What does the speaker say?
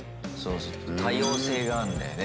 多様性があんだよね